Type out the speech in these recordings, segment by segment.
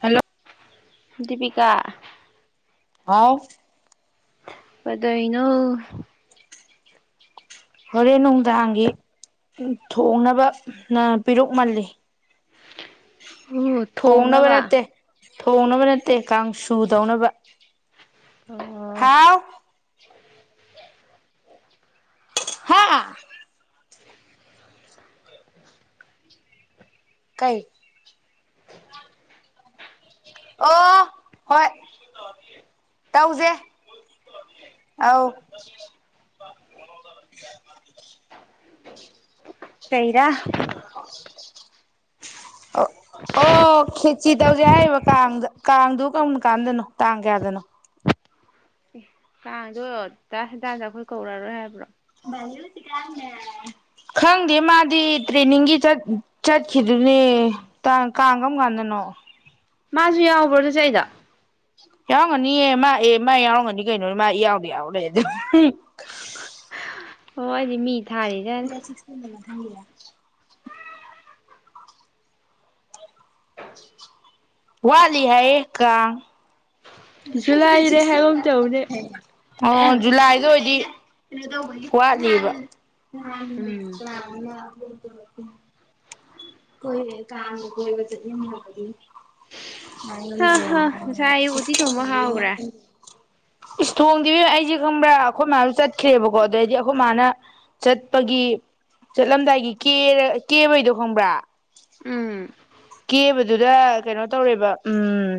hello Deepika ꯍꯥꯎ ꯄꯗ ꯏꯩꯅ ꯍꯣꯔꯦꯟ ꯅꯨꯡꯗꯥꯡꯒꯤ ꯊꯣꯡꯅꯕ ꯅ ꯄꯤꯔꯛꯃꯜꯂꯤ ꯑꯣ ꯊꯣꯡꯅꯕ ꯊꯣꯡꯅꯕ ꯅꯠꯇꯦ ꯀꯥꯡꯁꯨꯨꯗꯧꯅꯕ ꯑ ꯍꯥꯥ ꯀꯥꯏ ꯑꯣ ꯍꯣꯏ ꯇꯎꯖꯦ ꯑꯥꯎ ꯐꯩꯔꯥ ꯑꯣ ꯈꯦꯆꯤ ꯇꯧꯁꯦ ꯍꯥꯏꯔꯤꯕ ꯀꯥꯡꯗ ꯀꯥꯡꯗꯨ ꯀꯔꯝ ꯀꯥꯟꯗꯅꯣ ꯇꯥꯡ ꯀꯌꯥꯗꯅꯣ ꯀꯥꯡꯗꯣ ꯇ ꯍꯇꯥꯗ ꯑꯩꯈꯣꯏ ꯀꯧꯔꯔꯣꯏ ꯍꯥꯏꯕ꯭ꯔꯣ ꯈꯪꯗꯦ ꯃꯥꯗꯤ ꯇ꯭ꯔꯦꯅꯤꯡꯒꯤ ꯆꯠꯈꯤꯗꯨꯅꯦ ꯀꯥꯡ ꯀꯔꯝ ꯀꯥꯟꯗꯅꯣ ꯃꯥꯁꯨ ꯌꯥꯎꯕ꯭ꯔꯣ ꯑꯗꯨꯁ ꯑꯩꯗ ꯌꯥꯎꯔꯝꯒꯅꯤꯑ ꯃꯥ ꯑꯦ ꯃꯥ ꯌꯥꯎꯔꯝꯒꯅꯤ ꯀꯩꯅꯣꯅꯤ ꯃꯥ ꯌꯥꯎꯗ ꯌꯥꯎ ꯂꯩ ꯑꯗꯨ ꯍꯗꯤꯃꯤ ꯆꯁ ꯅꯃꯁ ꯊꯒꯤ ꯋꯥꯂꯤ ꯍꯥꯏꯌꯦ ꯀ ꯖꯨꯂꯥꯏꯗ ꯍꯥꯏꯒꯨꯝ ꯇꯧꯕꯅꯦ ꯑꯣ ꯖꯨꯂꯥꯏꯗ ꯑꯣꯏꯗꯤ ꯩꯅ ꯋꯥꯠꯂꯤꯕ ꯅ ꯎꯝ ꯍꯗ ꯀꯣꯏ ꯀꯥꯡꯗ ꯆꯅꯤ ꯑ ꯍꯥ ꯍꯥ ꯉꯁꯥꯏ ꯑꯌꯨꯛ ꯎꯇꯤ ꯊꯣꯡꯕ ꯍꯥꯎꯈ꯭ꯔꯦ ꯏꯁ ꯊꯣꯡꯗꯕꯤ ꯑꯩꯁꯦ ꯈꯪꯕ꯭ꯔꯥ ꯑꯩꯈꯣꯏ ꯃꯌꯥꯝꯁꯨ ꯆꯠꯦ ꯈ꯭ꯔꯑꯕꯀꯣ ꯑꯗꯨꯗꯑꯣꯏꯗꯤ ꯑꯩꯈꯣꯏ ꯃꯥꯅ ꯆꯠꯄꯒꯤ ꯆꯠꯂꯝꯗꯥꯏꯒꯤ ꯀ ꯀꯦꯕꯩꯗꯣ ꯈꯪꯕ꯭ꯔꯥ ꯎꯝ ꯀꯦꯕꯗꯨꯗ ꯀꯩꯅꯣ ꯇꯧꯔꯦꯕ ꯎꯝ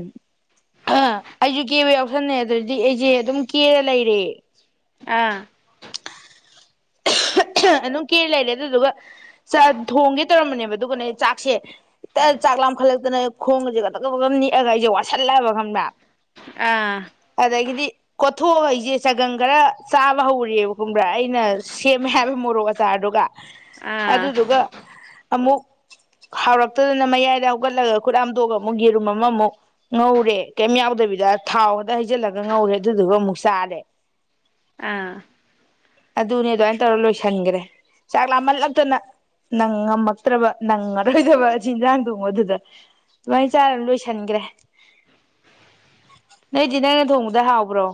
ꯑꯩꯁꯨ ꯀꯦꯕ ꯌꯥꯎꯁꯟꯅꯩ ꯑꯗꯨꯗꯤ ꯑꯩꯁꯦ ꯑꯗꯨꯝ ꯀꯦꯔ ꯂꯩꯔꯦ ꯑꯥ ꯑꯗꯨꯝ ꯀꯦ ꯂꯩꯔꯦ ꯑꯗꯨꯗꯨꯒ ꯊꯣꯡꯒꯦ ꯇꯧꯔꯝꯕꯅꯦꯕ ꯑꯗꯨꯒꯅꯦ ꯑꯩ ꯆꯥꯛꯁꯦ ꯍꯇ ꯆꯥꯛ ꯂꯥꯝꯈꯠꯂꯛꯇꯅ ꯈꯣꯡꯒꯁꯦ ꯀꯛꯇꯛ ꯄ ꯅꯦꯛꯑꯒ ꯑꯩꯁꯦ ꯋꯥꯁꯜꯂꯛꯑꯕ ꯈꯪꯗ꯭ꯔꯥ ꯑꯥ ꯑꯗꯒꯤꯗꯤ ꯊꯣꯛꯑ ꯑꯩꯁꯦ ꯁꯒꯪ ꯈꯔ ꯆꯥꯕ ꯍꯧꯔꯦꯕ ꯈꯨꯝꯕ꯭ꯔꯥ ꯑꯩꯅ ꯁꯦꯝꯃꯦ ꯍꯥꯏꯕ ꯃꯣꯔꯣꯛ ꯑꯆꯥꯔꯗꯨꯒ ꯑꯥ ꯑꯗꯨꯗꯨꯒ ꯑꯃꯨꯛ ꯍꯥꯎꯔꯛꯇꯗꯅ ꯃꯌꯥꯏꯗ ꯍꯧꯒꯠꯂꯒ ꯈꯨꯠ ꯍꯥꯝꯗꯣꯛꯑꯒ ꯑꯃꯨꯛ ꯌꯦꯔꯨꯝ ꯑꯃ ꯑꯃꯨꯛ ꯉꯧꯔꯦ ꯀꯩꯝ ꯌꯥꯎꯗꯕꯤꯗ ꯊꯥꯎꯗ ꯍꯩꯖꯤꯜꯂꯒ ꯉꯧꯔꯦ ꯑꯗꯨꯗꯨꯒ ꯑꯃꯨꯛ ꯆꯥꯔꯦ ꯑꯥ ꯑꯗꯨꯅꯦ ꯑꯗꯨꯃꯥꯏꯅ ꯇꯧꯔ ꯂꯣꯏꯁꯤꯟꯈ꯭ꯔꯦ ꯆꯥꯛ ꯂꯥꯝꯍꯜꯂꯛꯇꯅ ꯅꯪ ꯉꯝꯃꯛꯇ꯭ꯔꯕ ꯅꯪꯉꯔꯣꯏꯗꯕ ꯑꯁꯤ ꯏꯟꯖꯥꯡ ꯊꯣꯡꯕꯗꯨꯗ ꯑꯗꯨꯃꯥꯏꯅ ꯆꯥꯔ ꯂꯣꯏꯁꯤꯟꯈ꯭ꯔꯦ ꯅꯣꯏꯗꯤ ꯅꯪꯅ ꯊꯣꯡꯕꯗ ꯍꯥꯎꯕ꯭ꯔꯣ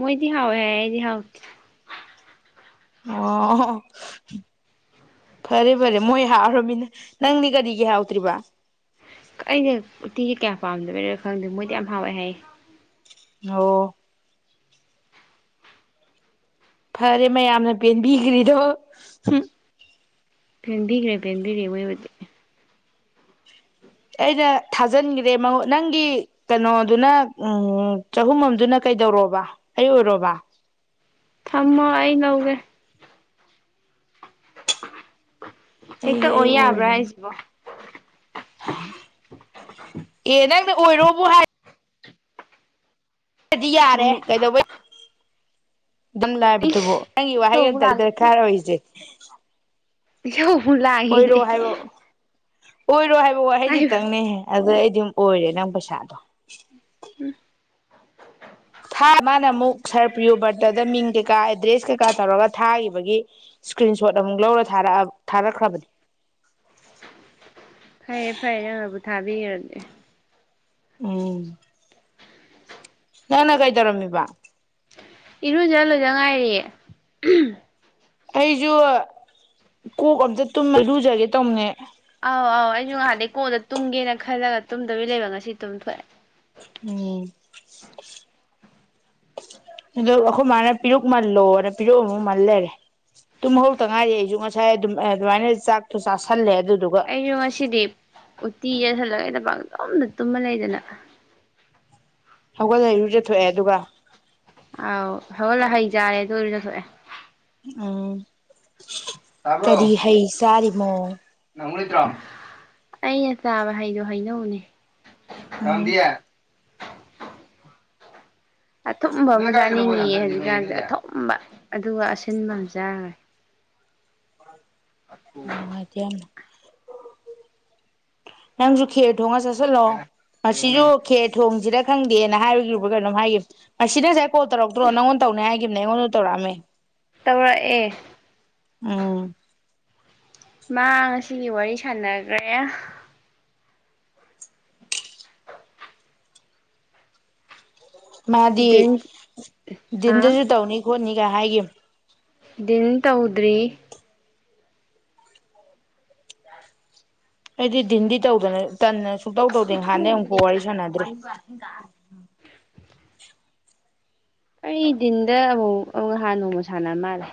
ꯃꯣꯏꯗꯤ ꯍꯥꯎ ꯑꯦꯦꯗꯤ ꯍꯥꯎ ꯑꯣ ꯐꯔꯦ ꯐꯔꯦ ꯃꯣꯏ ꯍꯥꯎꯔꯃꯤꯅ ꯅꯪꯗꯤ ꯀꯔꯤꯒꯤ ꯍꯥꯎꯗ꯭ꯔꯤꯕ ꯑꯩꯅ ꯎꯇꯤꯁꯦ ꯀꯌꯥ ꯄꯥꯝꯗꯕꯅꯣ ꯈꯪꯗꯦ ꯃꯣꯏꯗꯤ ꯌꯥꯝ ꯍꯥꯎꯋꯦ ꯍꯥꯏꯌꯦ ꯑꯣ ꯐꯔꯦ ꯃꯌꯥꯝꯅ ꯄꯦꯟꯕꯤꯈ꯭ꯔꯤꯗꯣ ꯐꯦꯟꯕꯤꯈ꯭ꯔꯦ ꯐꯦꯟꯕꯤꯔꯦ ꯃꯣꯏ ꯑꯣꯏꯗꯤ ꯑꯩꯅ ꯊꯥꯖꯤꯟꯈꯔꯦ ꯅꯪꯒꯤ ꯀꯩꯅꯣꯗꯨꯅ ꯎ ꯆꯍꯨꯝ ꯑꯃꯝꯗꯨꯅ ꯀꯩꯗꯧꯔꯣꯕ ꯑꯩ ꯑꯣꯏꯔꯣꯕ ꯊꯃꯣ ꯑꯏ ꯂꯎꯒꯦ ꯑꯩ ꯍꯛꯇ ꯑꯩ ꯑꯣꯔꯤꯌꯥꯕ꯭ꯔ ꯑꯣꯏꯔꯣ ꯍꯥꯏꯁꯤꯕ ꯑꯦ ꯅꯪꯗꯤ ꯑꯣꯏꯔꯣꯕꯨ ꯍꯥꯏ ꯗꯤ ꯌꯥꯔꯦ ꯀꯩꯗꯧꯕꯩ ꯑꯗꯨꯝ ꯂꯥꯏꯕꯗꯨꯕꯣ ꯏꯁ ꯅꯪꯒꯤ ꯋꯥꯍꯩ ꯏꯁꯧꯕꯨ ꯑꯃꯝꯇ ꯗꯔꯀꯥꯔ ꯑꯣꯏꯔꯤꯁꯦ ꯎ ꯌꯥꯎ ꯐꯂ ꯍꯥꯏꯅꯦ ꯑꯣꯏ ꯔꯣꯍꯦ ꯑꯩꯩꯗꯤꯇꯪꯅꯦꯍꯦ ꯑꯗꯨꯗ ꯑꯩ ꯝ ꯑꯣꯏꯔꯦ ꯅꯪ ꯄꯩꯁꯥꯗꯣ ꯎꯝ ꯃꯥꯅ ꯑꯃꯨꯛ ꯁꯔ ꯄ꯭ꯔꯤꯌꯨ ꯕꯔꯠꯇꯗ ꯃꯤꯡ ꯀꯩꯀꯥ ꯑꯦꯗ꯭ꯔꯦꯁ ꯀꯩꯀꯥ ꯇꯧꯔꯒ ꯊꯥꯈꯤꯕꯒꯤ ꯏꯁꯀ꯭ꯔꯤꯟ ꯁꯣꯠ ꯑꯃꯨꯛ ꯂꯧꯔꯥ ꯊꯥꯔꯛꯈ꯭ꯔꯕꯅꯦ ꯐꯔꯦ ꯐꯔꯦ ꯅꯪꯕꯨ ꯊꯥꯕꯤꯈꯔꯅꯦꯦ ꯎꯝ ꯅꯅ ꯀꯩ ꯇꯔꯝꯃꯤꯕ ꯏꯔꯨꯖꯂꯣꯏꯖ ꯉꯥꯏꯔꯤꯌꯦꯦ [unintelligible] ꯑꯩꯁꯨ ꯀꯣꯛ ꯑꯝꯇ ꯇꯨꯝꯃ ꯂꯨꯖꯒꯦ ꯇꯧꯅꯦ ꯑꯥꯎ ꯑꯥꯎ ꯑꯩꯁꯨ ꯉꯍꯥꯟꯗꯒꯤꯩ ꯀꯣꯟꯗ ꯇꯨꯝꯒꯦꯅ ꯈꯜꯂꯒ ꯇꯨꯝꯗꯕꯤ ꯂꯩꯕ ꯉꯁꯤ ꯇꯨꯝꯊꯣꯛꯑꯦ ꯎꯝ ꯑ ꯑꯩꯈꯣꯏ ꯃꯥꯅ ꯄꯤꯔꯨꯛꯃꯜꯂꯣꯅ ꯄꯤꯔꯨꯛ ꯑꯃꯨ ꯃꯜꯂꯔꯦ ꯇꯨꯝ ꯍꯧꯧ ꯇ ꯉꯥꯏꯔꯤꯦ ꯑꯩꯁꯨ ꯉꯁꯥꯏ ꯑꯗꯨꯝ ꯑꯗꯨꯃꯥꯏꯅ ꯆꯥꯛꯇꯣ ꯆꯥꯥꯁꯜꯂꯦ ꯑꯗꯨ ꯑꯩꯁꯨꯃꯁꯤꯗꯞ ꯇꯤ ꯌꯁꯜꯂꯒꯩꯗ ꯄꯥꯛꯖꯨꯝꯝꯅ ꯇꯨꯝꯃ ꯂꯩꯗꯅ ꯍꯧꯒꯠꯂꯔꯨꯖꯊꯑꯦ ꯑꯗꯨꯒ ꯑꯧ ꯍꯣꯏꯂ ꯍꯩꯖꯥꯔꯦ ꯑꯗꯨ ꯑꯣꯏꯔꯅ ꯁꯑꯦ ꯑꯥ ꯀꯔꯤ ꯍꯥꯏꯩ ꯆꯔꯤꯃꯣ ꯑꯩꯅ ꯆꯥꯕ ꯍꯩꯗꯣ ꯍꯩꯅꯧꯅꯦ ꯎꯝ ꯀꯥꯎꯗꯤꯌꯥ ꯑꯊꯨꯝꯕ ꯑꯃꯗ ꯑꯅꯤꯉꯌꯦ ꯍꯧꯖꯤꯛꯀꯥꯟꯁꯦ ꯑꯊꯨꯝꯕ ꯑꯗꯨꯒ ꯑꯁꯤꯟꯕ ꯑꯃ ꯆꯥꯔꯦ ꯑꯗꯤ ꯌꯥꯝ ꯅꯪꯁꯨꯨꯈꯤ ꯊꯣꯡꯉ ꯆꯥꯁꯤꯜꯂꯛꯑꯣ ꯑꯁꯤꯁꯨ ꯈꯦ ꯊꯣꯡꯁꯤꯗ ꯈꯪꯗꯦꯅ ꯍꯥꯏꯒꯤ꯭ꯔ ꯀꯩꯅꯣꯝ ꯍꯥꯏꯈꯤꯕ ꯃꯁꯤꯅ ꯉꯥꯏ ꯀꯣꯜ ꯇꯧꯔꯛꯇ꯭ꯔꯣ ꯅꯪꯉꯣꯟ ꯇꯧꯅꯤ ꯍꯥꯏꯈꯤꯕꯅꯦ ꯑꯩꯉꯣꯟꯗ ꯇꯧꯔꯛꯑꯝꯃꯦ ꯇꯧꯔꯛꯑꯦ ꯎꯝ ꯃꯥ ꯉꯁꯤꯒꯤ ꯋꯥꯔꯤ ꯁꯥꯟꯅꯈ꯭ꯔꯦ ꯃꯥꯗꯤ ꯗꯤꯟ ꯗꯤꯟꯗꯨꯁꯨ ꯇꯧꯅꯤ ꯈꯣꯠꯅꯤ ꯀ ꯍꯥꯏꯒꯌꯦꯝ ꯏꯦꯟꯇꯎꯗ꯭ꯔꯤ ꯑꯩꯗꯤ ꯤꯟꯗꯤ ꯇꯧꯗꯅ ꯇꯟꯅ ꯁꯨꯇꯧ ꯇꯧꯗꯦꯍꯥꯟꯗꯩ ꯑꯃꯨꯛꯀꯥꯎ ꯋꯥꯔꯤ ꯁꯥꯟꯅꯗ꯭ꯔꯦ ꯑꯩꯗꯤꯟꯗ ꯑꯃꯨꯛ ꯑꯃꯨꯛ ꯅꯍꯥꯟ ꯅꯣꯡꯃꯨ ꯁꯥꯟꯅ ꯃꯥꯜꯂꯦ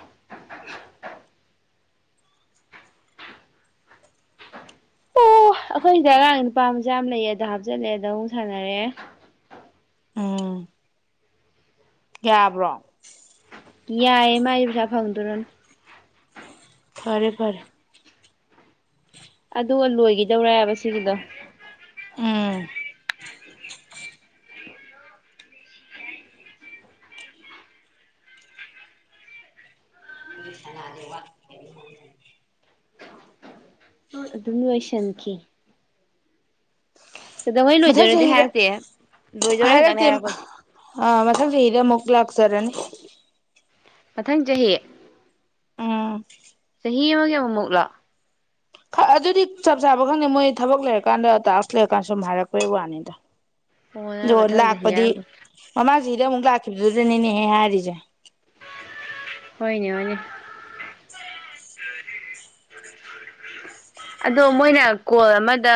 ꯑꯣ ꯑꯩꯈꯣꯏꯗ ꯑꯉꯥꯡ ꯅꯨꯄꯥ ꯃꯆꯥ ꯌꯥꯝ ꯂꯩꯌꯦ ꯑꯗꯣ ꯍꯥꯞꯆꯤꯜꯂꯦ ꯑꯗ ꯑꯃꯨꯛ ꯁꯥꯟꯅꯔꯦ ꯑꯥ ꯌꯥꯕ꯭ꯔꯣ ꯌꯥ ꯌꯥꯑꯌꯦ ꯃꯥꯥꯏꯕ꯭ꯔ ꯐꯥꯎꯗꯨꯔꯣꯟ ꯐꯔꯦ ꯐꯔꯦ ꯑꯗꯨꯒ ꯂꯣꯏꯒꯤꯗꯧꯔꯑꯕ ꯁꯤꯒꯤꯗꯣ ꯎꯝ ꯏ ꯆꯗꯦꯕ ꯎꯝ ꯑꯗꯨꯋꯥꯩꯁꯪꯈꯤ ꯀꯩꯗꯧꯉꯩ ꯃꯊꯪ ꯂꯣꯏꯗꯣꯏꯔꯗꯤ ꯆꯍꯤꯗ ꯍꯥꯏꯔꯛꯁꯦ ꯂꯣꯏꯗꯧꯔꯦ ꯈꯈꯤꯇꯪꯅꯦ ꯍꯥꯏꯔꯛꯄꯗꯣ ꯑ ꯃꯊꯪ ꯆꯍꯤ ꯃꯨꯛꯂꯥꯛꯆꯔꯅꯤ ꯃꯊꯪ ꯆꯍꯤ ꯎꯝ ꯃꯦ ꯑꯃꯒꯤꯒ ꯑꯃꯝ ꯂ‌ꯣ ꯑꯗꯨꯗꯤ ꯆꯞ ꯆꯥꯕ ꯈꯪꯗꯦ ꯃꯣꯏ ꯊꯕꯛ ꯂꯩꯔꯀꯥꯟꯗ ꯇꯥꯛꯁ ꯂꯩꯔꯀꯥꯟꯗ ꯁꯨꯝ ꯍꯥꯏꯔꯛꯄꯩ ꯋꯥꯅꯤꯗ ꯑꯣ ꯅꯪꯅ ꯂꯛꯄꯗꯤ ꯃꯊꯪ ꯆꯍꯤ ꯍꯥꯥꯛꯄꯗꯤ ꯍꯥꯏꯔꯛꯄ ꯃꯃꯥ ꯗꯨꯑꯦ ꯂꯥꯛꯈꯤꯕꯤꯗꯨꯗꯅꯤꯅꯦꯍꯦ ꯍꯥꯏꯔꯤꯖꯦ ꯍꯣꯏꯅꯦ ꯍꯣꯏꯅꯦ [unintelligible] ꯑꯗꯣ ꯃꯣꯏꯅ ꯀꯣꯜ ꯑꯃꯗ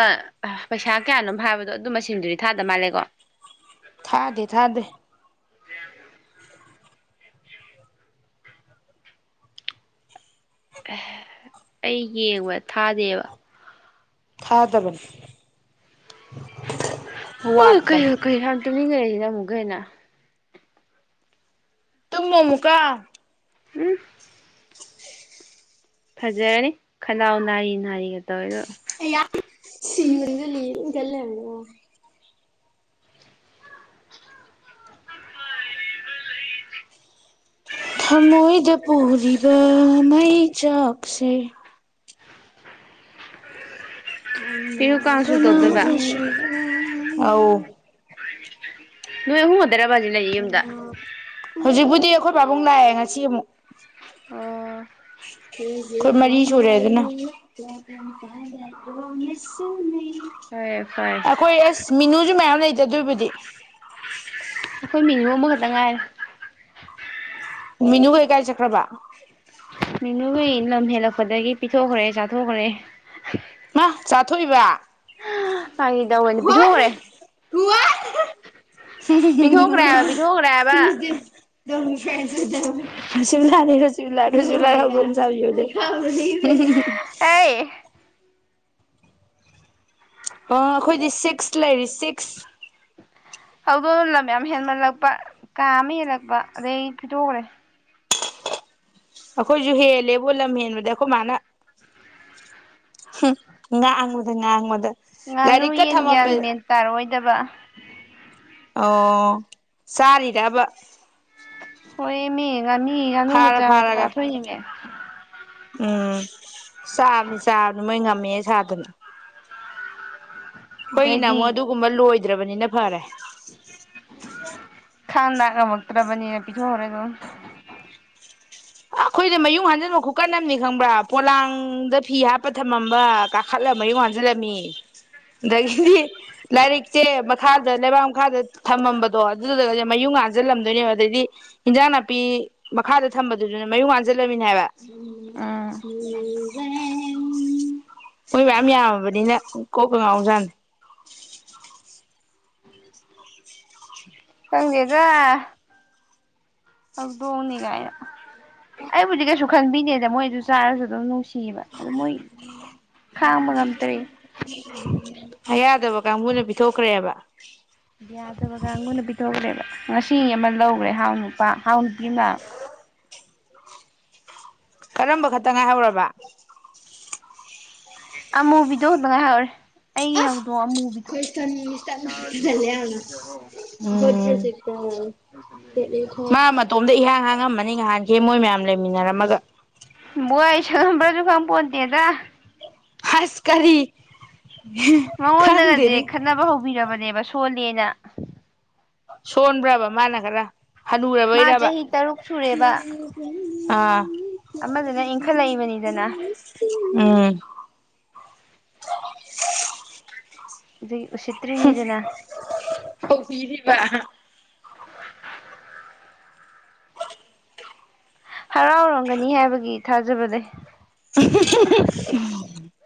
ꯄꯩꯁꯥ ꯀꯌꯥꯅꯣꯝ ꯍꯥꯏꯕꯗꯣ ꯑꯗꯨ ꯃꯁꯤꯡꯗꯨꯗꯤ ꯊꯥꯗ ꯃꯥꯜꯂꯦꯀꯣ ꯊꯥꯗꯦ ꯊꯥꯗꯦ ꯑꯦ ꯑꯩ ꯌꯦꯡꯕ ꯊꯥꯗꯦꯕ ꯊꯥꯗꯕꯅꯤ ꯑꯣ ꯋꯥꯠꯄꯅꯤ ꯀꯩꯅꯑꯣ ꯀꯩ ꯌꯥꯝ ꯇꯨꯃꯤꯅꯤꯡꯉꯩ [unintelligible] ꯇꯨꯃꯨ ꯃꯨꯛꯀꯥ ꯎꯝ ꯐꯖꯔꯅꯤ ꯈꯅꯥꯎ ꯅꯥꯔꯤ ꯅꯥꯔꯤꯒ ꯇꯧꯋꯦꯗꯨꯒ ꯑꯌꯥ [unintelligible] ꯊꯃꯣꯏꯗ ꯄꯨꯔꯤꯕ ꯃꯩꯆꯥꯛꯁꯦ ꯄꯤꯔꯨ ꯀꯥꯡꯁꯨ ꯇꯧꯗꯣꯏꯕ [unintelligible] ꯑꯥꯎ ꯅꯣꯏ ꯑꯍꯨꯝ ꯍꯩꯗꯔꯕꯥꯥꯗꯂ ꯌꯨꯝꯗ ꯍꯧꯖꯤꯛꯄꯨꯗꯤ ꯑꯩꯈꯣꯏ ꯄꯥꯕꯨꯡ ꯂꯥꯛꯑꯦ ꯉꯁꯤ ꯑꯃꯨꯛ ꯑꯣ ꯑꯩꯈꯣꯏ ꯃꯔꯤ ꯁꯨꯔꯦ ꯑꯗꯨꯅ ꯐꯔꯦ ꯐꯔꯦ ꯑꯩꯈꯣꯏ ꯑꯦ ꯃꯤꯅꯨꯖꯨ ꯃꯌꯥꯝ [unintelligible] ꯑꯗꯨꯕꯨꯗꯤ ꯑꯩꯈꯣꯏ ꯃꯤꯅꯨ ꯑꯝꯕꯛꯇ ꯉꯥꯏꯔꯦ ꯃꯤꯅꯨ ꯀꯩ ꯀꯥꯏ ꯆꯀ꯭ꯔꯕ ꯃꯤꯅꯨꯒꯤ ꯂꯝ ꯍꯦꯜꯂꯛꯄꯗꯒꯤ ꯄꯤꯊꯣꯛꯈ꯭ꯔꯦ ꯆꯥꯊꯣꯛꯈ꯭ꯔꯦ ꯃꯥ ꯆꯥꯊꯣꯛꯏꯕ ꯐꯥꯒꯤ ꯇꯧꯕꯅꯤ ꯄꯤꯊꯣꯛꯈ꯭ꯔꯦ ꯄꯤꯊꯣꯛꯈ꯭ꯔꯦꯍꯥꯕ ꯄꯤꯊꯣꯛꯈ꯭ꯔꯦꯍꯥꯕ [unintelligible] ꯑꯦ ꯑ‌ꯣ ꯑꯩꯈꯣꯏꯗꯤ ꯁꯤꯛꯁ ꯂꯩꯔꯤ ꯁꯤꯛꯁ ꯍꯧꯗꯣꯡ ꯂꯝ ꯌꯥꯝ ꯍꯦꯟꯃꯂꯛꯄ ꯀꯥ ꯑꯃꯥ ꯍꯦꯜꯂꯛꯄ ꯑꯗꯗꯒꯤ ꯊꯤꯗꯣꯛꯈ꯭ꯔꯦ ꯑꯩꯈꯣꯏꯁꯨ ꯍꯦꯜꯂꯦꯕꯣ ꯂꯝ ꯍꯦꯟꯕꯗ ꯑꯩꯈꯣꯏ ꯃꯥꯅ ꯉꯥꯡꯕꯗ ꯉꯥꯡꯕꯗ ꯉꯥꯅꯨ ꯂꯥꯏꯔꯤꯛꯀ ꯌꯦꯟ ꯒ꯭ꯌꯥꯟ ꯊꯝꯃꯝꯕ ꯃꯦꯟ ꯇꯥꯔꯑꯣꯏꯗꯕ ꯑꯣ ꯆꯥꯔꯤꯗꯕ ꯑꯣꯏꯣꯏꯃꯤ ꯉꯥꯅꯤ ꯉꯥꯅꯨ ꯃꯆꯥ ꯃꯆꯥ ꯐꯥꯔꯒ ꯊꯣꯛꯏꯅꯦ ꯎꯝ ꯆꯥꯕꯅꯤ ꯆꯥꯕꯅꯤ ꯃꯣꯏ ꯉꯝ ꯃꯃꯦ ꯁꯥꯗꯅ ꯑꯩꯈꯣꯏꯅ ꯑꯗꯩꯗꯤ ꯑꯃꯨꯣ ꯑꯗꯨꯒꯨꯝꯕ ꯂꯣꯏ ꯗ꯭ꯔꯕꯅꯤꯅ ꯐꯥꯔꯦ ꯈꯥꯟꯗꯥ ꯀꯕꯛꯇ꯭ꯔꯕꯅꯤꯅ ꯄꯤꯣ ꯑꯣꯏꯔꯦꯗ ꯑꯩꯈꯣꯏꯅ ꯃꯌꯨꯡ ꯍꯥꯟꯖꯟꯕ ꯈꯨꯀꯟꯝꯅꯤ ꯈꯪꯕ꯭ꯔꯥ ꯄꯣꯂꯥꯡꯗ ꯐꯤ ꯍꯥꯞꯄ ꯊꯝꯃꯝꯕ ꯀꯥꯈꯠꯂ ꯃꯌꯨꯡ ꯍꯥꯟꯖꯜꯂꯝꯃꯤ ꯑꯗꯒꯤꯗꯤ ꯂꯥꯏꯔꯤꯛꯁꯦ ꯃꯈꯥꯗ ꯂꯩꯕꯥꯛ ꯃꯈꯥꯗ ꯊꯝꯃꯝꯕꯗꯣ ꯑꯗꯨꯗꯨꯒ ꯃꯌꯨꯡ ꯍꯥꯟꯖꯜꯂꯝꯗꯣꯏꯅꯦꯕ ꯑꯗꯩꯗꯤ ꯏꯟꯖꯥꯡ ꯅꯥꯄꯤ ꯃꯈꯥꯗ ꯊꯝꯕ ꯑꯗꯨꯗꯨꯅ ꯃꯌꯨꯝ ꯉꯥꯟꯁꯤꯜꯂꯃꯤꯅꯦ ꯍꯥꯏꯕ ꯎꯝ ꯃꯣꯏ ꯃꯌꯥꯝ ꯌꯥꯝꯃꯕꯅꯤꯅ ꯀꯣꯛꯄ ꯉꯥꯎꯖꯥꯟꯅꯤ ꯈꯪꯗꯦꯗ ꯍꯧꯗꯣꯡꯅꯤ ꯀꯥꯏꯅ ꯑꯩꯕꯨꯗꯤ ꯀꯩꯁꯨ ꯈꯟꯕꯤꯅꯦꯗ ꯃꯣꯏꯗꯨ ꯆꯥꯔꯁꯨ ꯑꯗꯨꯝ ꯅꯨꯡꯁꯤ ꯊꯤꯕ ꯑꯗꯨ ꯃꯣꯏ ꯈꯥꯡꯕ ꯉꯝꯇ꯭ꯔꯦ ꯌꯥꯗꯕ ꯀꯥꯡꯕꯨꯅ ꯄꯤꯊꯣꯛꯈ꯭ꯔꯦꯕ ꯌꯥꯗꯕꯒ ꯑꯩꯉꯣꯟꯅ ꯄꯤꯊꯣꯛꯈ꯭ꯔꯦꯕ ꯉꯁꯤ ꯑꯃ ꯂꯧꯈꯔꯦ ꯍꯥꯎ ꯅꯨꯄꯥ ꯍꯥꯎ ꯅꯨ ꯏꯃ ꯀꯔꯝꯕ ꯈꯛꯇ ꯉꯥꯏꯍꯧꯔꯕ ꯑꯃꯃꯨꯕꯤꯗꯣ ꯉꯥꯏ ꯍꯥꯏꯥꯎꯔꯦ ꯑ ꯐꯣꯏ ꯇꯅ ꯎ ꯑꯇꯣꯝꯗ ꯏꯍꯥꯡ ꯍꯥꯡꯉꯝꯃꯅꯤ ꯉꯍꯥꯟꯁꯦ ꯃꯣꯏ ꯃꯌꯥꯝ ꯂꯩꯃꯤꯟꯅꯔꯝꯃꯒ ꯕꯣꯏ ꯑꯩꯁꯨꯕ꯭ꯔꯁꯨ ꯈꯪ ꯄꯣꯟꯇꯦꯗ ꯈꯥꯁ ꯀꯔꯤ ꯃꯉꯣꯟꯗꯒꯁꯦ ꯈꯪꯗꯦꯅꯦ ꯈꯠꯅꯕ ꯍꯧꯕꯤꯔꯕꯅꯦꯕ ꯁꯣꯂꯅ ꯁꯣꯟꯕ꯭ꯔꯕ ꯃꯥꯅ ꯈꯔ ꯃꯥ ꯍꯅꯨꯔꯕꯣꯏꯔꯕ ꯆꯍꯤ ꯇꯔꯨꯛ ꯁꯨꯔꯦꯕ ꯑꯥ ꯑꯃꯗꯨꯅ ꯏꯟꯈꯠꯂꯛꯏꯕꯅꯤꯗꯅ ꯎꯝ [unintelligible] [unintelligible] ꯑꯣ ꯄꯤꯔꯤꯕ ꯍꯔꯥꯎꯔꯝꯒꯅꯤ ꯍꯥꯏꯕꯒꯤ ꯊꯥꯖꯕ ꯂꯩꯦ [unintelligible]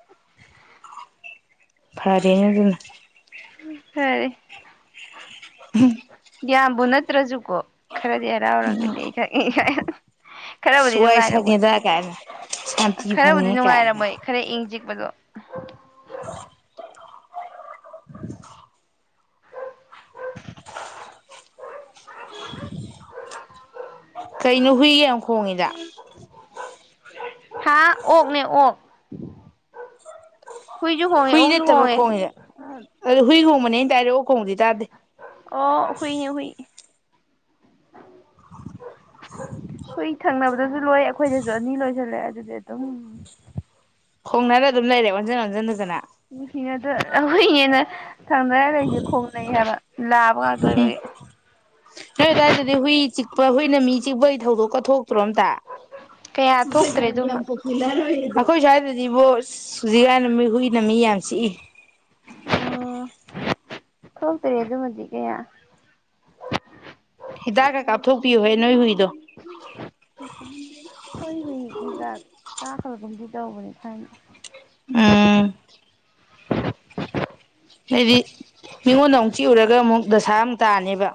ꯐꯔꯦꯅ ꯑꯗꯨꯅ ꯐꯔꯤ ꯎꯝ ꯌꯥꯕꯨꯅꯠꯇꯖꯨ ꯈꯔꯗꯤ ꯍꯔꯥꯎꯔꯒꯗꯤ ꯑꯩꯈ ꯈꯔꯕꯨꯗꯤ ꯑꯁ ꯋꯥꯏ ꯅꯨꯡꯉꯥꯏꯔꯝꯃꯣꯏ ꯁꯪꯉꯦꯗ ꯀꯥꯏꯅ ꯁꯥꯟꯇꯤ ꯈꯔꯕꯨꯗꯤ ꯐꯪꯉꯦ ꯀꯥꯏꯅ ꯅꯨꯡꯉꯥꯏꯔꯝꯃꯣꯏ ꯈꯔ ꯏꯪ ꯑꯗꯨꯒ [unintelligible] ꯀꯩꯅꯣ ꯍꯨꯏꯒꯦ ꯑꯃꯨ ꯈꯣꯡꯉꯤꯗ ꯍꯥꯥ ꯑꯣꯅꯦ ꯑꯣ ꯍꯨꯏꯗꯦ ꯇꯕ ꯍꯣꯡꯉꯦ ꯍꯣꯉꯗ ꯑꯗꯨ ꯍꯨꯏꯒ ꯍꯣ ꯃꯅꯤꯅꯦ ꯇꯔꯣ ꯑꯣ ꯍꯨꯏꯅꯤ ꯍꯨꯏ ꯍꯣꯏ ꯊꯪꯅ ꯑꯗꯨꯁꯨ ꯂꯣꯏ ꯑꯩꯈꯣꯏꯗꯁꯨ ꯑꯅꯤ ꯂꯣꯏꯁꯜꯂꯦ ꯑꯗꯨꯗꯤ ꯑꯗꯨꯝ ꯈꯣꯡꯅꯅ ꯑꯗꯨꯝ ꯂꯩꯔꯦ ꯑꯣꯟꯁꯤꯟ ꯑꯣꯟꯁꯤꯟ ꯍꯖꯅ ꯎ ꯑꯗꯨ ꯌꯦꯟꯅ ꯊꯪꯅ ꯌꯥ ꯂꯩꯁꯦ ꯈꯣꯡꯅꯩ ꯍꯥꯏꯕ ꯂꯥꯕ ꯍꯨꯝ ꯉꯥꯛꯇꯣꯏꯕꯒꯤ ꯅꯣꯏ ꯑꯗꯥꯏꯗꯗꯤ ꯍꯨꯏ ꯆꯤꯛꯄ ꯑꯩꯈꯣꯏꯅ ꯃꯤ ꯆꯤꯛꯄꯒꯤ ꯊꯧꯗꯣꯛ ꯀꯊꯣꯛꯇ꯭ꯔꯣ ꯑꯇ ꯀꯌꯥ ꯊꯣꯛꯇ꯭ꯔꯦ ꯑꯗꯨꯃ ꯈꯣꯏ ꯁ ꯔꯤꯚꯣꯁ ꯁꯨꯖꯤꯒ ꯅꯃꯤ ꯍꯏ ꯅꯃꯤ ꯌꯥ ꯁꯤꯏ ꯑꯣ ꯊꯣꯛꯇꯔꯦ ꯑꯗꯨꯃꯗꯤ ꯀꯌꯥ ꯍꯤꯗꯥꯛ ꯈ ꯀꯥꯞꯊꯣꯛꯄꯤꯌꯨꯍ ꯅꯣꯏ ꯍꯨꯏꯗꯣ ꯍꯣꯏ ꯍ ꯏꯒ ꯀꯥ ꯍꯜꯒꯝ ꯇꯧꯕꯕꯅꯤꯅ ꯎꯝ ꯍꯥꯏꯗꯤ ꯃꯤꯉꯣꯟꯗ ꯑꯃꯨꯛ ꯆꯤꯛꯎꯨꯔꯒ ꯑꯃꯨꯛ ꯗꯁꯥ ꯑꯃꯨꯛ ꯇꯥꯅꯦꯕ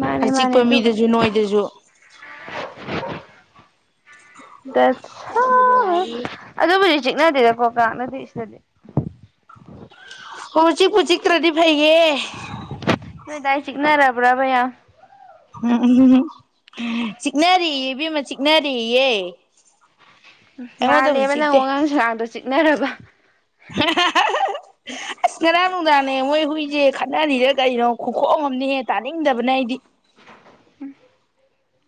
ꯃꯥꯅꯦ ꯃꯥꯅꯦ ꯑꯆꯤꯛꯄ ꯑꯗꯨꯕꯨꯗꯤ ꯃꯤꯗꯁꯨ ꯅꯣꯏꯗꯁꯨ [unintelligible] ꯠ ꯑꯗꯣ ꯆꯖꯤꯛꯅꯗꯦꯗꯀꯣ ꯂꯥꯛꯅꯗꯦ ꯁꯤꯗꯗꯤ ꯍꯧꯖꯤ ꯄꯨꯖꯤ ꯀ ꯔꯦꯗꯤ ꯐꯩꯌꯦ ꯅꯣꯏ ꯇꯏꯁꯤꯅ ꯔꯕ꯭ꯔꯕꯩꯌꯥ ꯎꯝ ꯎ ꯆꯤꯛꯅꯔꯤ ꯏꯕꯤꯃ ꯆꯤꯛꯅꯔꯤꯌꯦꯦ ꯃꯥꯜꯂꯦꯕ ꯅꯪ ꯋꯥꯉꯥꯡꯁꯨꯒꯥꯡꯗꯣ ꯆꯤ ꯅꯦꯔꯔꯕ ꯉꯅꯥꯅꯅꯨꯡꯗꯥꯅꯦ ꯑꯩꯈꯣꯏꯁꯦ ꯈꯠꯅꯔꯤꯗ ꯀꯔꯤꯩꯅꯣ ꯈꯨꯈꯣꯡ ꯑꯝꯅꯦꯍꯦ ꯇꯥꯅꯤꯡꯗꯕꯅ ꯑꯩꯗꯤ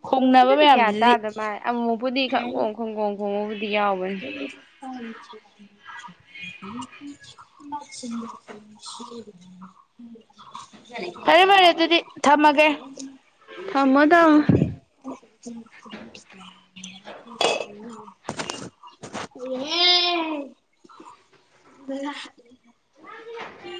ꯈꯣꯡꯅꯕ ꯀꯌꯥ ꯃꯌꯥꯝꯁꯤꯗꯤ ꯇꯗ ꯃꯥꯥꯏꯨ ꯄꯨꯗꯤ ꯍ [unintelligible] ꯐꯔꯦ ꯐꯔꯦ ꯑꯗꯨꯗꯤ ꯊꯝꯃꯒꯦ [unintelligible] ꯊꯝꯃꯣ ꯊꯝꯃꯣ ꯑꯦ ꯎ